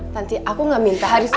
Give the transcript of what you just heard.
nanti aku gak minta haris